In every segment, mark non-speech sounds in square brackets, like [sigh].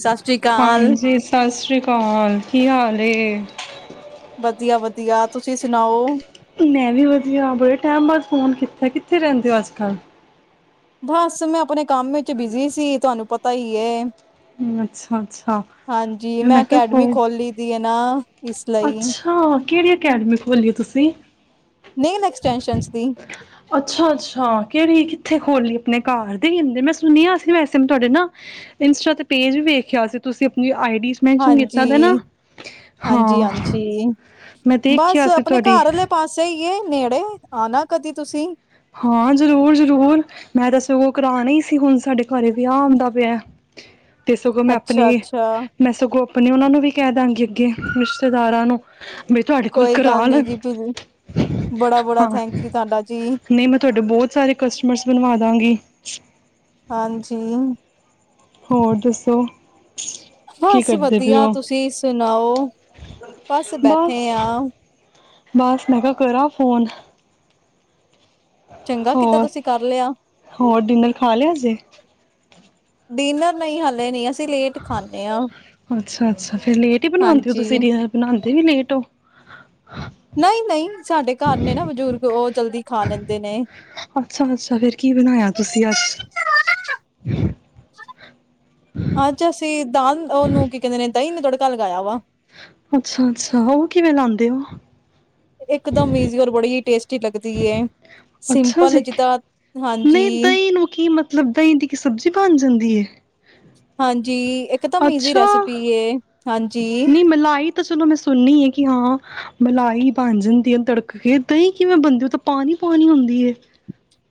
ਸਤਿ ਸ੍ਰੀ ਅਕਾਲ ਹਾਂਜੀ, ਸਤਿ ਸ੍ਰੀ ਕਾਲ, ਕੀ ਹਾਲ ਏ। ਵਧੀਆ-ਵਧੀਆ ਤੁਸੀਂ ਸੁਣਾਓ। ਮੈਂ ਵੀ ਵਧੀਆ ਬੜੇ ਟਾਈਮ ਬਾਦ ਫੋਨ ਕੀਤਾ, ਕਿੱਥੇ ਰਹਿੰਦੇ ਹੋ ਅੱਜ-ਕੱਲ। ਬਸ ਮੈਂ ਆਪਣੇ ਕੰਮ ਵਿੱਚ ਬਿਜੀ ਸੀ, ਤੁਹਾਨੂੰ ਪਤਾ ਹੀ ਏ। ਅੱਛਾ-ਅੱਛਾ ਮੈਂ ਕਿਹਾ ਫੋ ਅਕੈਡਮੀ ਖੋਲੀ ਦੀ ਹੈ ਨਾ ਇਸ ਲਈ ਅੱਛਾ ਕਿਹੜੀ ਅਕੈਡਮੀ ਖੋਲੀ ਹੈ ਤੁ ਸੀ। ਨੇਲ ਐਕਸਟੈਂਸ਼ਨ ਦੀ ਅੱਛਾ-ਅੱਛਾ ਕਿਹੜੀ ਕਿ ਕਿੱਥੇ ਖੋਲੀ ਆਪਣੇ ਘਰ ਦੇ ਅ ਮੈਂ ਸੁਣ ਹ ਵੈਸੇ ਤੁਹਾਡੇ ਨਾ ਇੰਸਟਾ ਤੇ ਪੇਜ ਵੀ ਵੇਖਿਆ ਸੀ ਤੁਸੀਂ ਆਪਣੀ ਆਈਡੀ ਚ ਮੈਨਸ਼ਨ ਕੀਤਾ ਦਾ ਨਾ, ਹਾਂਜੀ ਹਾਂਜੀ ਹਾਂ ਹਾਂਜੀ ਮੈਂ ਬਸ ਦੇਖਿਆ ਸੀ ਆਪਣੇ ਤੁਹਾਡੀ ਘਰ ਵਾਲੇ ਪਾਸੇ ਹੀ ਏ ਨੇੜੇ ਆਣਾ ਕਦੀ ਤੁਸੀਂ। ਹਾਂ ਜ਼ਰੂਰ-ਜ਼ਰੂਰ ਮੈਂ ਤਾਂ ਸਗੋਂ ਕਰਾਣਾ ਹੀ ਸੀ ਹੁਣ ਸਾਡੇ ਘਰ ਵਿਆਹ ਆਉਂਦਾ ਪਿਆ। ਤੇ ਸਗੋਂ ਮੈਂ ਅੱਛਾ ਆਪਣੇ ਅੱਛਾ ਮੈਂ ਸਗੋਂ ਆਪਣੀ ਉਹਨਾਂ ਨੂੰ ਵੀ ਕਹਿ ਦਾਂਗੀ ਅੱਗੇ ਰਿਸ਼ਤੇਦਾਰਾਂ ਨੂੰ। ਵੀ ਤੁਹਾਡੇ ਕੋਲ ਕੋਈ ਗੱਲ ਕਰਾ ਨੀ ਲੈਣ ਜੀ ਬੜਾ-ਬੜਾ ਹਾਂ ਥੈਂਕ ਯੂ ਤੁਹਾਡਾ ਜੀ। ਨਹੀਂ ਮੈਂ ਤੁਹਾਡੇ ਬਹੁਤ ਸਾਰੇ ਕਸਟਮਰਸ ਬਣਵਾ ਦਾਂਗੀ। ਹਾਂਜੀ ਹੋਰ ਦੱਸੋ। ਕੀ ਬਸ ਕਰਦੇ ਪਏ ਵਧੀਆ ਹੋ ਤੁਸੀਂ ਸੁਣਾਓ ਬਸ ਬੈਠੇ ਆ। ਬਸ ਮੈਂ ਕਿਹਾ ਕਰਾਂ ਫੋਨ। ਚੰਗਾ ਕੀਤਾ ਹੋਰ, ਤੁਸੀਂ ਕਰ ਲਿਆ ਹੋਰ ਡਿਨਰ ਖਾ ਲਿਆ ਸੀ। ਡਿਨਰ ਨਈ, ਹਾਲੇ ਨੀ ਅ ਅੱਛਾ, ਅੱਛਾ ਫਿਰ ਲੇਟ ਈ ਬਨਾੰਦੇ ਓ ਹਾਂਜੀ ਤੁਸੀਂ ਡਿਨਰ, ਬਨਾੰਦੇ ਈ ਲੇਟ ਓ। ਨਈਂ, ਨਈਂ ਸਾਡੇ ਘਾਰ ਨੇ ਨਾ ਬਜ਼ੁਰਗ। ਓ ਜਲਦੀ ਖਾ ਲੈਂਦੇ ਨੇ। ਅੱਛਾ, ਅੱਛਾ ਫਿਰ ਕੀ ਬਨਾਇਆ ਤੁਸੀਂ ਅੱਜ। ਅਜ, ਅਸੀਂ ਦਾਲਨ ਉਹਨੂੰ ਕੀ ਕਹਿੰਦੇ ਨੇ ਦਈਂ ਨੂਂ ਤੜਕਾ ਲਗਾਇਆ ਵਾ। ਅੱਛਾ, ਅੱਛਾ ਉਹ ਕਿਵੇਂ ਲਾਉਦੇ ਉਹ। ਇਕਦਮ ਈਜ਼ੀ, ਔਰ ਬੜੀ ਹੀ ਟੇਸਟੀ ਟੀ ਲੱਗਦੀ ਹੈ ਟੀ [inaudible] ਅੱਛਾ ਜੀ, ਨਈਂ ਹਾਂਜੀ ਦਈਂ ਨੂੰ ਕੀਮਤ ਦਈਂ ਦੀ ਕੀ ਸਬਜ਼ੀ ਬਣ ਜਾਂਦੀ ਹੈ? ਹਾਂਜੀ। ਇੱਕਦਮ ਈਜ਼ੀ ਅੱਛਾ ਰੈਸਿਪੀ ਏ। ਹਾਂਜੀ। ਨਹੀਂ ਮਲਾਈ ਤਾਂ ਚਲੋ, ਮੈਂ ਸੁਨਨੀ ਹ ਕਿ ਹਾਂ, ਮਲਾਈ ਬਨ ਜਾਂਦੀ ਏ ਤੜਕ ਕੇ, ਦਈਂ ਕਿਵੇਂ ਬਨਦੀ, ਓ ਤਾਂ ਪਾਨੀ ਪਾਨੀ ਹੁੰਦੀ ਏ।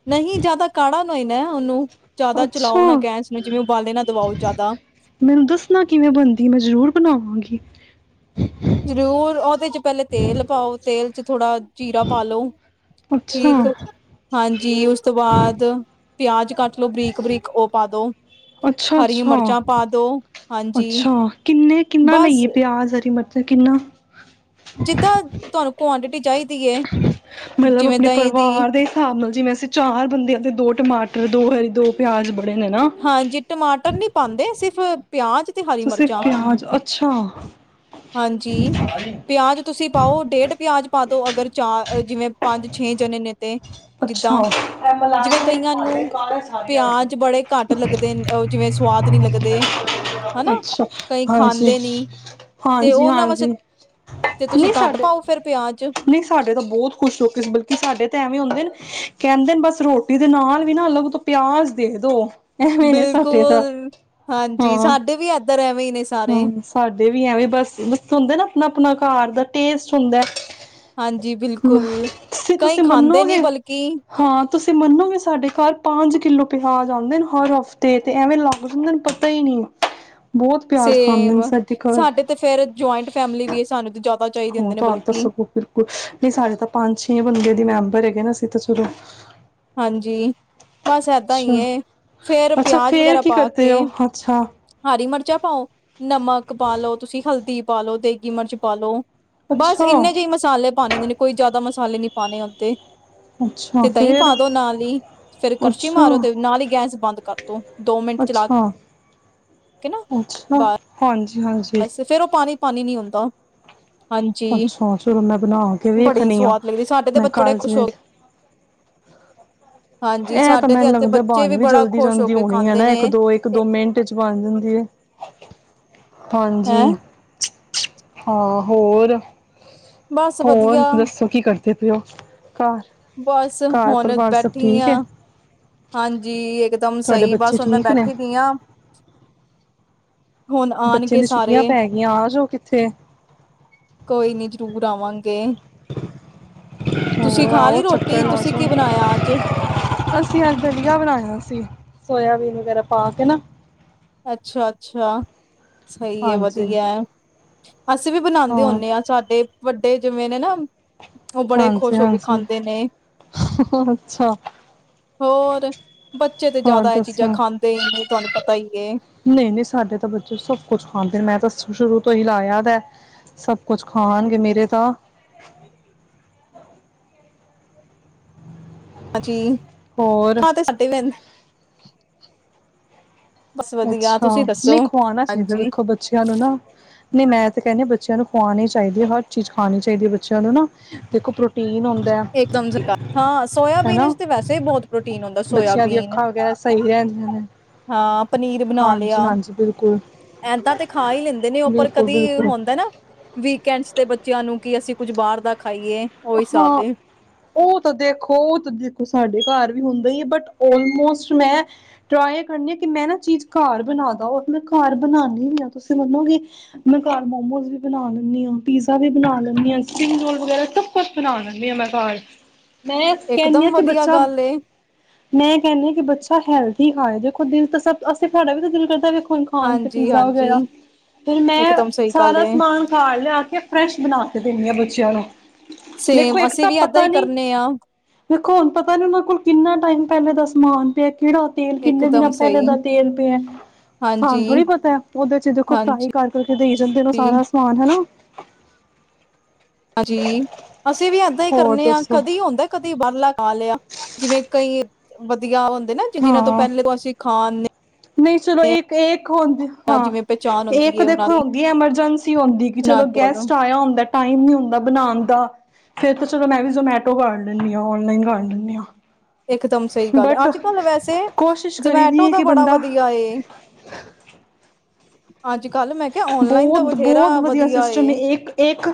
ਨਹੀਂ ਜਿਆਦਾ ਕਾੜਾ ਈ ਨਾ ਉਹਨੂੰ [inaudible] ਅੱਛਾ, ਚਲਾਓ ਨਾ ਗੈਸ ਨੂੰ ਜਿਵੇਂ ਉਬਾਲੇ ਨਾ ਦਵਾਓ ਜ਼ਿਆਦਾ ਮੈਨੂੰ ਦੱਸਨਾ ਕਿਵੇਂ ਬਨਦੀ, ਮੈਂ ਜਰੂਰ ਬਨਾਵਾਂਗੀ। [unintelligible] ਜ਼ਰੂਰ ਉਹਦੇ ਚ ਪਹਿਲੇ ਤੇਲ ਪਾਓ, ਤੇਲ ਉਹਦੇ ਚ ਥੋੜਾ [inaudible] ਜੀਰਾ ਪਾਲੋ, ਅੱਛਾ ਠੀਕ, ਹਾਂਜੀ ਉਸ ਤੋਂ ਬਾਅਦ ਪਿਆਜ ਕੱਟ ਲੋੋ ਬਰੀਕ, ਬਰੀਕ ਉਹ ਪਾ ਦੋ ਅੱਛਾ, ਹਰੀ ਅੱਛਾ, ਮਿਰਚਾਂ ਪਾ ਦੋ ਹਾਂਜੀ ਅੱਛਾ ਕਿੰਨੇ ਕਿੰਨਾ ਬਸ ਲਈਏ ਪਿਆਜ, ਹਰੀ ਮਿਰਚ ਅਤੇ ਕਿੰਨਾ ਜਿੱਦਾਂ ਤੁਹਾਨੂੰ ਕੁਆਂਟਿਟੀ ਚਾਈਦੀ ਏ। ਮਤਲਬ, ਆਪਣੇ ਪਰਿਵਾਰ ਦੇ ਹਿਸਾਬ ਨਾਲ ਜਿਵੇਂ ਅਸੀਂ ਚਾਰ ਬੰਦੇ ਆ। ਤੇ ਦੋ ਟਮਾਟਰ, ਦੋ ਹਰੀ ਦੋ ਪਿਆਜ਼ ਬੜੇ ਨੇ ਨਾ ਹਾਂਜੀ ਟਮਾਟਰ ਨੀ- ਪਾਉਂਦੇ ਸਿਰਫ ਪਿਆਜ਼ ਤੇ ਹਰੀ ਸਿਰਫ ਮਿਰਚਾਂ, ਪਿਆਜ ਅੱਛਾ ਹਾਂਜੀ ਪਿਆਜ਼ ਤੁਸੀਂ ਪਾਉ ਡੇਢ ਪਿਆਜ਼ ਪਾ ਦੋ ਅਗਰ ਚਾਰ ਜਿਵੇਂ ਪੰਜ ਛੇ ਜਣੇ ਨੇ ਤੇ ਅੱਛਾ, ਜਿੱਦਾਂ ਐ ਮਲਾ ਜਿਵੇਂ ਕੇ ਕਈਆਂ ਭਾਂਡੇ ਨੂੰ ਘਰ ਸਾਰੀਆਂ ਪਿਆਜ ਬੜੇ ਘੱਟ ਲੱਗਦੇ ਜਿਵੇਂ ਸਵਾਦ ਨੀ ਲੱਗਦੇ, ਹੈਨਾ ਅੱਛਾ ਕਈ ਹਾਂਜੀ ਖਾਂਦੇ ਨੀ ਤੇ ਹਾਂਜੀ ਹਾਂਜੀ ਉਹਨਾਂ ਹਾਂਜੀ ਵਾਸਤੇ ਤੁਸੀਂ ਨਹੀਂ ਘੱਟ ਸਾਡੇ ਪਾਉ ਫੇਰ ਪਿਆਜ ਨਹੀਂ ਸਾਡੇ ਤਾਂ ਬਹੁਤ ਖੁਸ਼ ਲੋਕੀ ਬਲਕਿ ਸਾਡੇ ਤਾਂ ਐਵੇਂ ਹੁੰਦੇ ਨੇ ਕਹਿੰਦੇ ਨੇ ਬਸ ਰੋਟੀ ਦੇ ਨਾਲ ਵੀ ਨਾ ਅਲੱਗ ਤੋਂ ਪਿਆਜ ਦੇ ਦੋ ਐਵੇਂ ਨੇ ਸਾਡੇ ਤਾਂ ਬਿਲਕੁਲ ਹਾਂਜੀ ਹਾਂ, ਸਾਡੇ ਵੀ ਏਧਰ ਐਵੇਂ ਹੀ ਨੇ ਸਾਰੇ ਹੂੰ ਸਾਡੇ ਵੀ ਐਵੇ ਬਸ ਬਸ ਹੋਂਦੇ ਨਾ ਆਪਣਾ ਆਪਣਾ ਘਰ ਦਾ ਟੇਸਟ ਹੁੰਦਾ ਐ। ਹਾਂਜੀ ਬਿਲਕੁਲ ਕਈ ਤੁਸੀਂ ਖਾਂਦੇ ਨਹੀਂ ਮੰਨੋਗੇ ਬਲਕਿ ਕੀ ਹਾਂ ਤੁਸੀਂ ਮੰਨੋਗੇ ਸਾਡੇ ਘਰ ਪੰਜ ਕਿੱਲੋ ਪਿਆਜ ਆਉਂਦੇ ਨੇ ਹਰ ਹਫ਼ਤੇ, ਤੇ ਐਵੇਂ ਲਗਦੇ ਨੇ ਪਤਾ ਹੀ ਨਹੀਂ। ਬਹੁਤ ਪਿਆਜ ਖਾਂਦੇ ਸੇਮ ਨੇ ਘਰ ਸਾਡੇ ਤੇ ਫੇਰ ਜੁਆਇੰਟ ਫੈਮਿਲੀ ਵੀ ਹੈ, ਸਾਨੂੰ ਤੇ ਚਾਹੀਦੇ ਹੁੰਦੇ ਹੁਣ ਨੇ ਤੁਹਾਨੂੰ ਤਾਂ ਬਲਕਿ ਸਗੋਂ ਬਿਲਕੁਲ, ਨਹੀਂ ਸਾਡੇ ਤਾਂ ਪੰਜ ਛੇ ਬੰਦੇਿਆਂ ਦੀ ਮੈਂ ਭਰੇ ਗਏ ਨਾ ਸੀ ਤਾਂ, ਸੁਰੂ ਹਾਂਜੀ, ਬਸ ਏਦਾਂ ਹੀ ਐ, ਫੇਰ ਅੱਛਾ ਪਿਆਜ ਫੇਰ ਵਗੈਰਾ ਕੀ ਪਾ ਕਰਦੇ ਕੇ ਹੋ ਅੱਛਾ ਹਰੀ ਮਿਰਚ ਵਿੱਚ ਪਾਉ ਨਮਕ ਪਾ ਲਉ, ਤੁਸੀਂ ਹਲਦੀ ਪਾ ਲਉ, ਦੇਗੀ ਮਿਰਚ ਪਾਾਲ ਲੋ। ਬਸ ਅੱਛਾ ਇੰਨੇ ਜਿਹੀ ਮਸਾਲੇ ਪਾਉਂਦੇ ਨੇ ਕੋਈ ਜ਼ਿਆਦਾ ਮਸਾਲੇ ਮਸਾਲੇ ਨੀ ਪਾਣੇ ਉੱਤੇ। ਅੱਛਾ ਫੇਰ, ਪਾ ਦੋ ਨਾਲ ਹੀ, ਫੇਿਰ ਕਰਛੀ ਅੱਛਾ ਮਾਰੋ ਤੇ ਨਾਲ ਹੀ ਗੈਸ ਬੰਦ ਕਰਦੋ, ਦੋ ਮਿੰਟ ਚਲਾ ਅੱਛਾ ਕੇ ਨਾ ਅੱਛਾ ਬਸ। ਹਾਂਜੀ ਹਾਂਜੀ ਬਸ ਫੇਰ ਉਹ ਪਾਣੀ ਪਾਣੀ ਨੀ ਹੁੰਦਾ। ਹਾਂਜੀ ਅੱਛਾ ਚਲੋ ਮੈਂ ਬਣਾ ਕੇ ਵੀ ਬੜੀ ਰਖਣੀ ਆਂ ਸਵਾਦ ਲੱਗਦੀ ਸਾਡੇ ਤੇ ਮੈਂ ਬੱਚੇ ਬੜੇ ਕਾਲਜ ਖੁਸ਼ ਹੋ ਕੇ, ਵਿੱਚ। ਹਾਂਜੀ ਇਹ ਤਾਂ ਸਾਡੇ ਤੇ ਮੈਨੂੰ ਇੱਥੇ ਲੱਗਦਾ ਬੱਚੇ ਬਣ ਵੀ ਬੜਾ ਜਲਦੀ ਖੁਸ਼ ਹੋ ਜਾਂਦੀ ਕੇ ਹੋਣੀ ਹੈ ਖਾਂਦੇ ਨਾ ਨੇ ਇੱਕ ਦੋ ਇੱਕ ਦੋ ਮਿੰਟ ਚ ਬਣ ਜਾਂਦੀ ਹੈ। ਹੈਂ ਹਾਂਜੀ। ਹਾਂ। ਹਾਂ ਹੋਰ। ਬਸ ਵਧੀਆ ਹੋਰ ਦੱਸੋ ਕੀ ਕਰਦੇ। ਤੇ ਦੇ ਔ ਬਸ ਹੁਣ ਬੈਠੀ ਠੀਕ ਹੈ ਹਾਂ। ਹਾਂਜੀ ਇਕ ਦਮ ਤੁਹਾਡੇ ਸਹੀ ਬੱਚੇ ਬਸ ਹੁਣ ਮੈਂ ਠੀਕ ਨੇ ਬੈਠੀ ਦੀ ਹਾਂ। ਹੁਣ ਬੱਚਿਆਂ ਆਉਣਗੇ ਦੀ ਛੁੱਟੀਆਂ ਸਾਰੇ ਪੈ ਗਈਆਂ ਆ ਜਾਓ ਕਿੱਥੇ ਕੋਈ ਨੀ ਜਰੂਰ ਆਵਾਂਗੇ। ਤੇ ਅਤੇ ਤੁਸੀਂ ਹੋਰ ਖਾ ਆਓ ਲਈ ਰੋਟੀ। ਚੱਕਰ ਲਾ ਤੁਸੀਂ ਕੀ ਜਾਓ ਬਣਾਇਆ ਅੱਜ ਅਸੀਂ ਅੱਜ ਦਲੀਆ ਬਣਾਇਆ ਸੀ ਸੋਇਆਬੀਨ ਵਗੈਰਾ ਪਾ ਕੇ ਨਾ। ਅੱਛਾ। ਸਹੀ ਹੈ ਹਾਂਜੀ ਵਧੀਆ ਅਸੀਂ ਵੀ ਬਣਾਉਂਦੇ ਹੁੰਦੇ ਹਾਂ। ਸਾਡੇ ਵੱਡੇ ਜ ਮੇਨੇ ਨਾ ਉਹ ਬੜੇ ਹਾਂਜੀ ਖੁਸ਼ ਹੋ ਕੇ ਹਾਂਜੀ ਖਾਂਦੇ ਨੇ ਅੱਛਾ ਹੋਰ ਬੱਚੇ ਤੇ ਹੋਰ ਜ਼ਿਆਦਾ ਇਹ ਦੱਸੋ ਚੀਜ਼ਾਂ ਖਾਂਦੇ ਹੀ ਨੇ। ਤੁਹਾਨੂੰ ਪਤਾ ਹੀ। ਏ ਨਹੀਂ ਨਹੀਂ ਸਾਡੇ ਤਾਂ ਬੱਚੇ ਸਭ ਕੁੱਛ ਖਾਂਦੇ ਮੈਂ ਤਾਂ। ਸ਼ੁਰੂ ਤੋਂ ਹੀ ਲਾਇਆ ਤਾਂ ਸਭ ਕੁਛ ਖਾਣਗੇ ਮੇਰੇ ਤਾਂ। ਹਾਂਜੀ। ਹੋਰ ਖਾ ਤੇ ਛੱਟੇ ਪੈਂਦੇ [unintelligible] [unintelligible] ਅੱਛਾ ਨਹੀਂ ਖਵਾਉਣਾ ਚਾਹੀਦਾ ਹਾਂਜੀ ਦੇਖੋ ਬੱਚਿਆਂ ਨੂੰ ਨਾ ਨਹੀਂ ਮੈਂ ਤੇ ਕਹਿੰਦੀ ਬੱਚਿਆਂ ਨੂੰ ਖਵਾਉਣੀ ਚਾਹੀਦੀ ਹੈ ਹਰ ਚੀਜ਼ ਖਾਣੀ ਚਾਹੀਦੀ ਹੈ ਬੱਚਿਆਂ ਨੂੰ ਨਾ ਦੇਖੋੋ ਹਾਂ ਸੋਇਆਬੀਨ ਹਨਾ ਵਿਚ ਤੇ ਵੈਸੇ ਬਹੁਤ ਪ੍ਰੋਟੀਨ ਹੁੰਦਾ ਬੱਚਿਆਂ ਦੀ ਸੋਇਆਬੀਨ ਅੱਖਾਂ ਵਗੈਰਾ ਸਹੀ ਰਹਿੰਦੀਆਂ ਨੇ ਹਾਂ ਪਨੀਰ ਬਣਾ ਹਾਂਜੀ ਲਿਆ ਹਾਂਜੀ ਬਿਲਕੁਲ ਏਦਾਂ ਤੇ ਖਾ ਹੀ ਲੈਂਦੇ ਨੇ ਉਪਰ ਬਿਲਕੁਲ ਕਦੇ ਬਿਲਕੁਲ ਹੁੰਦਾ ਨਾ ਵੀ। ਕੈ ਨੀ ਸਕਦੇ ਬੱਚਿਆਂ ਨੂੰ ਕਿ ਅਸੀਂ ਕੁੱਝ ਬਾਹਰ ਦਾ ਖਾ ਖਾਈਏ ਉਹੀ ਸਾਬ ਹਾਂ ਉਹ ਤਾਂ ਦੇਖੋ ਉਹ ਤੇ ਦੇਖੋ ਸਾਡੇ ਘਰ ਹੁੰਦਾ ਈ ਏ, ਬੱਟ ਔਲਮੋਸਟ ਮੈਂ ਟ੍ਰਾਈ ਕਰਣੀ ਆ ਕਿ ਮੈਂ ਨਾ ਚੀਜ਼ ਘਰ ਬਣਾਦਾ ਉਹ ਤੇ ਮੈਂ ਘਰ ਬਣਾਣੀ ਵੀ ਆ ਤੁਸੀ ਮੰਨੋਗੇ ਮੈਂ ਘਰ ਮੋਮੋਸ ਵੀ ਬਣਾ ਲੈਂਣੀ ਆਂ, ਪੀਜ਼ਾ ਵੀ ਬਣਾ ਲੈਂਣੀ ਆਂ, ਸਪਿ੍ੰਗ-ਰੋਲ ਵਗੈਰਾ ਸਬ ਕੁਛ ਬਣਾ ਲੈਣੀ ਆ ਮੈਂ ਘਰ। ਮੈਂ ਕਹਿੰਣੀ ਆ ਇਕਦਮ ਕਿ ਵਧੀਆ ਬੱਚਾ ਗੱਲ ਏ ਮੈਂ ਕਹਿੰਣੀ ਆ ਕਿ ਬੱਚਾ ਹੈਲਥ ਦੀ ਹਾਏ ਦੇਖੋ ਦਿਲ ਤਾਂ ਸਭ ਅਸੀਂ ਤੁਹਾਡਾ ਵੀ ਤਾਂ ਦਿਲ ਕਰਦਾ ਏ ਵੇਖੋ ਹੁਣ ਖਾਣ ਤੇ ਹਾਂਜੀ ਪੀਜ਼ਾ ਹਾਂਜੀ ਵਗੈਰਾ ਫਿਰ ਮੈਂ ਇਕਦਮ ਸਹੀ ਗੱਲ ਸਾਰਾ ਏ ਸਮਾਨ ਘਰ ਲਿਆ ਕੇ ਫਰੈਸ਼ ਬਣਾ ਕੇ ਦਿੰਣੀ ਹਾਂ ਬੱਚਿਆਂ ਨੂੰ। ਦੇਖੋ ਸੇਮ ਇੱਕ ਅਸੀਂ ਤਾਂ ਵੀ ਐਦਾਂ ਪਤਾ ਹੀ ਨੀ ਕਰਨੇ ਆ ਦੇਖੋ ਹੁਣ ਪਤਾ ਨੀ ਉਹਨਾਂ ਕੋਲ ਕਿੰਨਾ ਟਾਈਮ ਪਹਿਲੇ ਦਾ ਸਮਾਨ ਪਿਆ ਏ। ਕਿਹੜਾ ਤੇਲ ਕਿੰਨੇ ਇਕਦਮ ਦਿਨਾਂ ਪਹਿਲਾਂ ਸਹੀ ਦਾ ਤੇਲ ਪਿਆ ਸਾਨੂੰ ਹਾਂਜੀ ਥੋੜ੍ਹੀ ਪਤਾ ਹੈ ਉਹਦੇ ਚ ਦੇਖੋ ਫਰਾਈ ਹਾਂਜੀ ਕਰ-ਕਰ ਕੇ ਦੇਈ ਜਾਂਦੇ ਨੇ ਉਹ ਸਾਰਾ ਸਮਾਨ ਹਨਾ। ਹਾਂਜੀ ਅਸੀਂ ਵੀ ਏਦਾਂ ਹੀ ਹੋਰ ਕਰਨੇ ਆਂ ਦੱਸੋ ਕਦੀ ਹੁੰਦਾ ਏ ਕਦੀ ਬਾਹਰਲਾ ਖਾ ਲਿਆ ਜਿਵੇਂ ਕਈ ਵਧੀਆ ਹੁਣ ਦੇ ਨਾ ਜ ਜਿਨ੍ਹਾਂ ਤੋਂ ਹਾਂ ਪਹਿਲੇ ਤੋਂ ਅਸੀਂ ਖਾਣੇ ਨਹੀਂ ਚਲੋ। ਇੱਕ ਏ ਕ ਹੁੰਦੀ ਹਾਂ। ਜਿਵੇਂ ਪਹਿਚਾਣ ਇਹ ਹੁੰਦੀ ਇੱਕ ਹੈ ਉਹਨਾਂ ਦੇਖੋ ਦੀ ਹੁੰਦੀ ਏ ਐਮਰਜੈਂਸੀ ਹੁੰਦੀ ਕਿ ਉਹਨਾਂ ਚਲੋ ਕੋਲੋਂ ਗੈਸਟ ਆਇਆ ਹੁੰਦਾ ਟਾਈਮ ਨੀ ਹੁੰਦਾ ਬਣਾਣ ਦਾ ਫਿਰ ਤਾਂ, ਚਲੋ ਮੈਂ ਵੀ ਜਮੈਟੋ ਕਰ ਲੈਂਣੀ ਆਂ ਔਨਲਾਈਨ ਕਰ ਲੈਂਣੀ ਆਂ। ਇਕ ਦਮ ਸਹੀ ਗੱਲ ਏ, ਅੱਜ-ਕਲ ਵੈਸੇ, ਕੋਸ਼ਿਸ਼ ਕਰੀ ਦੀ ਜਮੈਟੋ ਹੈ ਦਾ ਕਿ ਬੜਾ ਬੰਦਾ ਵਧੀਆ ਏ। ਅੱਜ ਕੱਲ ਮੈਂ ਕਿਹਾ ਔਨਲਾਈਨ ਦਾ ਬਥੇਰਾ ਬਹੁਤ-ਬਹੁਤ ਵਧੀਆ ਸਿਸਟਮ ਏ, ਇੱਕ-ਇੱਕ,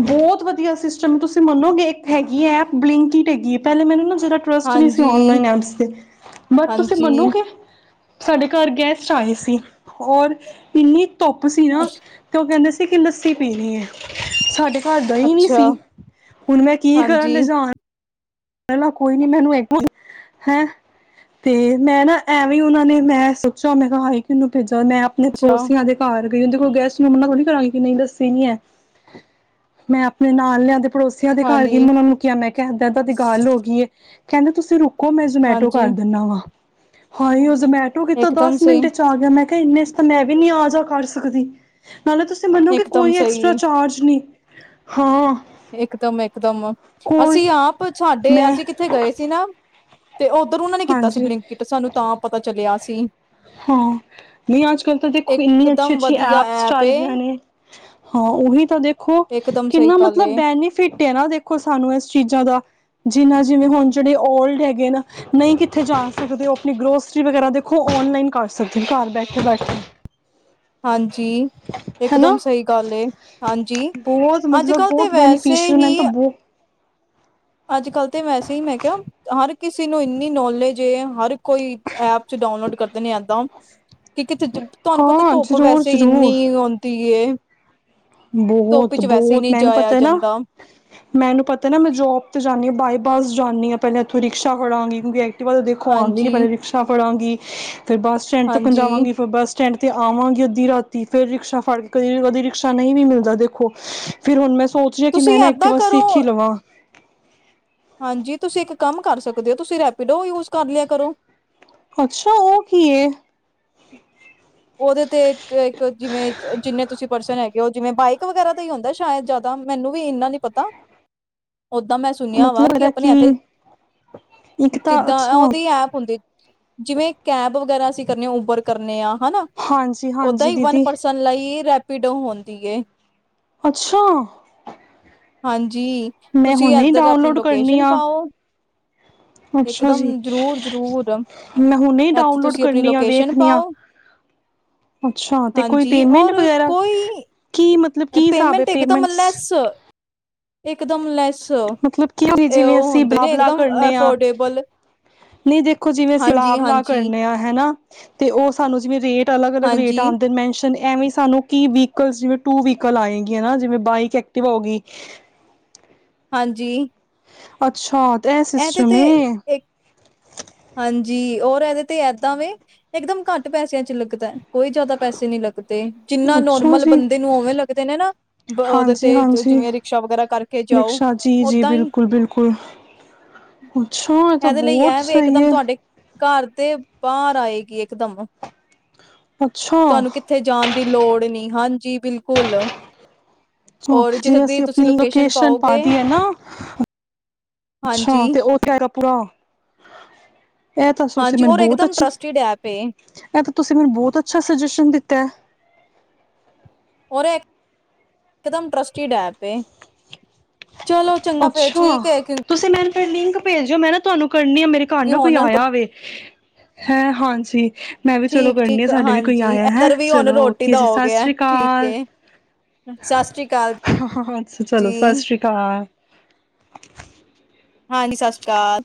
ਬਹੁਤ ਵਧੀਆ ਸਿਸਟਮ ਤੁਸੀਂ ਮੰਨੋਗੇ ਇੱਕ ਹੈਗੀ ਏ ਐਪ ਬਲਿੰਕਇਟ ਹੈਗੀ ਏ, ਪਹਿਲੇ ਮੈਨੂੰ ਨਾ ਟ੍ਰਸ਼ਟ ਨਹੀਂ ਸੀ ਹਾਂਜੀ ਔਨਲਾਈਨ ਐਪਸ ਤੇ, ਬਟ ਤੁਸੀਂ ਹਾਂਜੀ ਮੰਨੋਗੇ ਸਾਡੇ ਘਰ ਗੈਸਟ ਆਏ ਸੀ। ਔਰ ਇੰਨੀ ਧੁੱਪ ਸੀ ਨਾ, ਤੇ ਉਹ ਕਹਿੰਦੇ ਸੀ ਕਿ ਲੱਸੀ ਪੀਣੀ ਹੈ, ਸਾਡੇ ਘਰ ਦਾ ਹੀ ਨਹੀਂ ਅੱਛਾ ਸੀ, ਹੁਣ ਮੈਂ ਕੀ ਕਰਾਂ ਹਾਂਜੀ ਲਿਜਾਣ ਪਹਿਲਾਂ ਕੋਈ ਨੀ ਮੈਨੂੰ ਹੈਂ ਤੇ, ਮੈਂ ਨਾ ਐਵੇਂ ਉਨਾਂ ਨੇ ਮੈਂ ਸੋਚਿਆ ਮੈਂ ਕਿਹਾ -ਹਾਏ! ਕਿਨੂੰ ਭੇਜਾ ਮੈਂ ਆਪਣੇ ਅੱਛਾ ਪੜੋਸੀਆਂ ਦੇ ਘਰ [unintelligible] ਦੇਖੋ ਗੈਸਟ ਨੂੰ ਮੰਨਾ ਥੋੜੀ ਕਰਾਂਗੀ ਨਹੀਂ ਲੱਸੀ ਨੀ ਹੈ ਮੈਂ ਆਪਣੇ ਨਾਲ ਲਿਆਂ ਦੇ ਪੜੋਸੀਆਂ ਦੇ ਘਰ ਗਈ ਹਾਂਜੀ ਮੈਂ ਉਨਾਂ ਨੂੰ ਕਿਆ ਮੈਂ ਕਹਿ ਏਦਾਂ ਦਾ ਗੱਲ ਹੋ ਗਈ ਏ। ਕਹਿੰਦੇ ਤੁਸੀਂ ਰੁੋ ਓ ਮੈਂ ਜਮੈਟੋ ਹਾਂਜੀ ਕਰ ਦਿੰਦਾ ਵਾਂ ਹਾਂ ਹੀ ਉਸ ਨੂੰ ਜਮੈਟੋ ਕਿ ਕੀਤਾ ਇਕਦਮ ਦਸ ਮਿੰਟ ਸਹੀ ਵਿਚ ਆ ਗਿਆ ਮੈ- ਇਨਾ ਤਾਂ ਮੈਂ ਵੀ ਨਹੀਂ ਆ- ਜਾ ਕਰ ਸਕਦੀ। ਨਾਲੇ ਤੁਸੀਂ ਮੰਨੋਗੇ ਇਕਦਮ ਕੋਈ ਐਕਸਟਰਾ ਸਹੀ ਚਾਰਜ ਨਹੀਂ। ਹਾਂ ਇਕਦਮ- ਇਕਦਮ ਕੋਈ ਅਸੀਂ ਆਪ ਸਾਡੇ, ਮੈਂ ਅਸੀਂ ਕਿੱਥੇ ਗਏ ਸੀ ਨਾ ਤੇ ਉੱਧਰ ਉਹਨਾਂ ਨੇ ਕੀਤਾ ਸੀ ਹਾਂਜੀ ਬਲਿੰਕਟ ਸਾਨੂੰ ਤਾਂ ਪਤਾ ਚਲਿਆ। ਤੇ- ਹਾਂ, ਨਹੀਂ ਅੱਜ -ਕੱਲ੍ਹ ਤਾਂ ਦੇਖੋ ਇੰਨੀ ਅੱਛੀ ਇਕਦਮ -ਅੱਛੀ ਵਧੀਆ ਐਪਸ ਐਪ ਚੱਲ ਏ ਗਈਆਂ ਨੇ। ਹਾਂ, ਉਹੀ- ਤਾਂ ਦੇਖੋ ਇਕਦਮ ਸਹੀ ਕਿੰਨਾ ਗੱਲ ਏ ਮਤਲਬ ਬੈਨੀਫਿਟ ਐ ਨਾ ਦੇਖੋ ਸਾਨੂੰ ਇਸ ਚੀਜ਼ਾਂ ਦਾ। ਜਿਨਾ ਜਿਵੇਂ ਹੁਣ ਜਿਹੜੇ ਓਲਡ ਹੈਗੇ ਨਾ। ਨਹੀਂ ਕਿੱਥੇ ਜਾ ਸਕਦੇ ਉਹ ਆਪਣੀ ਗਰੋਸਰੀ ਵਗੈਰਾ ਦੇਖੋ ਔਨਲਾਈਨ ਕਰ ਸਕਦੇ, ਘਰ ਬੈਠੇ ਬੈਠਕੇ। ਹਾਂਜੀ, ਇਕ ਦਮ ਹਨਾ। ਸਹੀ ਗੱਲ ਐ। ਹਾਂਜੀ, ਬਹੁਤ ਅੱਜ ਮਤਲਬ ਕੱਲ੍ਹ ਤਾਂ ਬਹੁਤ ਵੈਸੇ ਬੈਨੀਫਿਸ਼ਅਲ ਮੈਨੂੰ ਤਾਂ ਹੀ ਬਹੁ ਅੱਜ ਕੱਲ੍ਹ ਤਾਂ ਵੈਸੇ ਹੀ ਮੈਂ ਕਿਹਾ ਹਰ ਕਿਸੇ ਨੂੰ ਇੰਨੀ ਨੋਲੇਜ ਐ। ਹਰ ਕੋਈ ਐਪ ਚ ਡਾਊਨਲੋਡ ਕਰਦੇ ਨੇ ਇੱਦਾਂ ਕਿ ਕਿੱਥੇ ਤੁਹਾਨੂੰ ਹਾਂ ਪਤਾ ਜ਼ਰੂਰ ਵੈਸੇ ਜ਼ਰੂਰ ਇੰਨੀ ਆਉਂਦੀ ਕਿ ਇਹ ਬਹੁਤ ਬਹੁਤ ਮੈਨੂੰ ਪਤਾ ਐ ਨਾ ਜਾਂਦਾ ਮੈਨੂੰ ਪਤਾ ਨਾ ਮੈਂ ਜੋਬ ਤੇ ਜਾਂਦੀ ਆਂ, ਬਾਈ ਬਸ ਜਾਂਦੀ ਆਂ। ਪਹਿਲੇ ਉੱਥੋਂ ਰਿਕਸ਼ ਫੜਾਗੀ [unintelligible] ਤਾਂ ਦੇਖੋ ਆਂਦੀ ਨਹੀਂ ਹਾਂਜੀ ਪਹਿਲੇ ਰਿਕਸ਼ਾ ਫੜਾਂਗੀ। ਹ [unintelligible] ਫਿਰ ਬੱਸ ਸਟੈਂਡ ਤੱਕ ਹਾਂਜੀ ਜਾਵਾਂਗੀ ਫਿਰ ਬੱਸ ਸਟੈਂਡ ਤੇ ਆਵਾਂਗੇ ਅੱਧੀ ਰਾਤੀ ਫਿਰ ਰਿਕਸ਼ਾ ਫੜ ਕੇ ਕਦੀ ਉਹਦੇ ਰਿਕਸ਼ਾ ਨਹੀਂ ਵੀ ਮਿਲਦਾ ਦੇਖੋ ਫਿਰ ਹੁਣ ਮੈਂ ਸੋਚ ਲਿਆ ਕਿ ਤੁਸੀਂ ਮੈਂ ਨਾ ਏਦਾਂ ਐਕਟਿਵਾ ਕਰੋ ਸਿੱਖ ਹੀ ਲਵਾਂ। ਹਾਂਜੀ ਤੁਸੀਂ ਇੱਕ ਕੰਮ ਕਰ ਸਕਦੇ ਹੋ ਤੁਸੀਂ ਰੈਪੀਡੋ ਯੂਜ ਕਰ ਲਿਆ ਕਰੋ। ਅੱਛਾ ਉਹ ਕੀ ਐ? [inaudible] ਉਹਦੇ ਤੇ ਇੱਕ ਜਿਵੇਂ ਜਿੰਨੇ ਤੁਸੀਂ ਪਰਸਨ ਹੈਗੇ ਉਹ ਜਿਵੇਂ ਬਾਈਕ ਵਗੈਰਾ ਦਾ ਹੀ ਹੁੰਦਾ ਸ਼ਾਇਦ ਜਿਆਦਾ, ਮੈਨੂੰ ਵੀ ਇੰਨਾ ਨਹੀਂ ਪਤਾ। ਓਦਾਂ ਮੈਂ ਸੁਣਿਆ ਵਾ ਮਤਲਬ ਕਿ ਮੇਰਾ ਆਪਣੇ ਇੱਥੇ, ਇੱਕ ਤਾਂ ਜਿੱਦਾਂ ਅੱਛਾ ਉਹਦੀ ਐਪ ਹੁੰਦੀ ਜਿਵੇਂ ਕੈਬ ਵਗੈਰਾ ਅਸੀਂ ਕਰਨੇ ਆਂ ਉਬ ਪਰ ਕਰਨੇ ਆਂ। ਹਨਾ, ਹਾਂਜੀ ਓਦਾਂ ਹਾਂਜੀ ਹੀ ਵਨ ਦੀਦੀ ਪਰਸਨ ਲਈ ਰ ਪਿਡੋ ਹੁੰਦੀ ਏ। ਅੱਛਾ। ਹਾਂਜ ਜੀ, ਮੈਂ ਤੁਸੀਂ ਹੁਣੇ ਹੀ ਏਧਰ ਆਪਣੀ ਡਾਊਨਲੋਡ ਕਰਨੀ ਲੋਕੇਸ਼ਨ ਆ ਪਾਓ। ਅੱਛਾ ਇਕਦਮ ਜੀ, ਜ਼ਰੂਰ ਜ਼ਰੂਰ ਮੈਂ ਹੁੰਨੇ ਇੱਥੇ ਡਾਊਨਲੋਡ ਤੁਸੀਂ ਆਪਣੀ ਕਰਨੀ ਆ ਵੇਖ ਲੋਕੇਸ਼ਨ ਅੱ ਪਾਓ ਅੱਛਾ ਤੇ ਕੋਈ ਹਾਂਜੀ ਪੇਮੈਂਟ ਔਰ ਵਗੈਰ੍ਹਾ ਕੋਈ ਕੀ ਮਤਲਬ ਕੀ ਹਿਸਾਬ ਐ, ਪੇਮੈਂਟਸ ਇਕ ਦਮ ਲੈਸ। ਮਤਲਬ ਕੀ ਜਿਵੇਂ, ਉਹ ਅਸੀਂ ਹੁੰਦੇ ਨੇ ਬਲਾਬਲਾ ਇਕਦਮ ਕਰਨੇ ਆ, ਅਫੋਰਡੇਬਲ ਨਹੀਂ ਦੇਖੋ ਜਿਵੇਂ ਹਾਂਜੀ ਬਲਾਮਲਾ ਹਾਂਜੀ ਕਰਨੇ ਆ ਹਨਾ, ਤੇ ਉਹ ਸਾਨੂੰ ਜਿਵੇਂ ਰੇ ਅਲੱਗ-ਅਲੱਗ ਰੇਟ ਹਾਂਜੀ ਆਂਦੇ ਨੇ ਮੈਨਸ਼ ਐਵੇਂ ਸਾਨੂੰ ਕੀ ਵਹੀਕਲ ਜਿਵੇਂ, ਟੂ ਵੀਕਲ ਆਏਗੀ ਨਾ, ਜਿਵੇਂ ਬਾਈਕ ਐਕਟਿਵਾ ਹੋ ਗਈ। ਹਾਂਜੀ। ਅੱਛਾ। ਐ ਇਹਦੇ ਸਿਸਟਮ ਤੇ ਏ ਇੱਕ ਹਾਂਜੀ। ਔਰ ਇਹਦੇ ਤੇ ਏਦਾਂ ਵੇ ਇੱਕਦਮ ਘੱਟ ਪੈਸਿਆਂ ਚ ਲੱਗਦਾ, ਕੋਈ ਜ਼ਿਆਦਾ ਪੈਸੇ ਨਹੀਂ ਲੱਗਦੇ। ਤੇ, ਜਿੰਨਾ ਅੱਛਾ ਨੋਰਮਲ ਜੀ ਬੰਦੇ ਨੂੰ ਉਵੇਂ ਲੱਗਦੇ ਨੇ ਨਾ, ਬ ਓਦੇ ਹਾਂਜੀ ਤੇ ਹਾਂਜੀ ਜਿਵੇਂ ਰਿਕਸ਼ਾ ਵਗੈਰਾ ਕਰਕੇ ਜਾਓ ਰਿਕਸ਼ਾ ਜੀ ਜੀ ਓਦਾਂ ਹੀ ਬਿਲਕੁਲ ਬਿਲਕੁਲ ਅੱਛਾ ਇਹ ਤਾਂ ਇਹਦੇ ਲਈ ਬਹੁਤ ਇਹ ਵੇਖ ਸਹੀ ਇਕਦਮ ਹੈ ਤੁਹਾਡੇ ਘਰ ਤੇ ਬਾਹਰ ਆਏਗੀ ਇਕਦਮ ਅੱਛਾ ਤੁਹਾਨੂੰ ਕਿੱਥੇ ਜਾਣ ਦੀ ਲੋੜ ਨੀ ਹਾਂਜੀ ਬਿਲਕੁਲ। ਹ ਔਰ ਜਿੱਥੇ ਜਿਵੇਂ, ਦੀ ਅਸੀਂ ਤੁਸੀਂ ਆਪਣੀ ਲੋਕੇਸ਼ਨ ਪਾ ਪਾਓਗੇ ਦੀਏ ਨਾ, ਅੱਛਾ ਹਾਂਜੀ, ਤੇ ਉਹ ਪੂਰਾ। ਇਹ ਤਾਂ ਸੁਸੀਂ ਹਾਂਜੀ ਮੈਨੂੰ ਔਰ ਬਹੁਤ ਇਕਦਮ ਅੱਛੀ, ਟਰੱਸਟਿਡ ਐਪ ਏ। ਇਹ ਤਾਂ ਤੁਸੀਂ ਮੈਨੂੰ ਬਹੁਤ ਅੱਛਾ ਸੁਜੇਸ਼ਨ ਦਿੱਤ ਤੈ ਔਰ ਇਕਦਮ ਟਰਸਟੀਡ ਐਪ ਏ ਚਲੋ, ਚੰਗਾ ਫੇਰ ਠੀਕ ਹੈ, ਕਿਉਂ ਨੁ ਲਿੰਕ ਭੇਜਿਓ ਮੈਂ ਨਾ ਤੁਹਾਨੂੰ ਕਰਨੀਆ ਮੇਰੇ ਘਰ ਨਾ ਕੋਈ ਹੁਣ ਆਇਆ ਵੇ। ਹੈਂ, ਹਾਂਜੀ। ਮੈਂ ਵੀ ਚਲੋ ਠੀਕ, ਕਰਨੀ ਆ ਠੀਕ ਸਾਡੇ ਵੀ ਕੋਈ ਹਾਂਜੀ ਆਇਆ ਹੈ, ਇੱਧਰ ਵੀ ਹੁਣ ਚਲੋ ਰੋਟੀ ਓਕੇ ਦਾ ਜੀ, ਹੋ ਸਤਿ ਗਿਆ ਸ੍ਰੀ ਠੀਕ ਅਕਾਲ। ਏ। ਸਤਿ ਸ੍ਰੀ ਅਕਾਲ ਅੱਾ ਚਲੋ, ਜੀ, ਸਤਿ ਸ੍ਰੀ ਅਕਾਲ। ਕਾ ਹਾਂਜੀ। ਸਤਿ ਸ੍ਰੀ ਅਕਾਲ।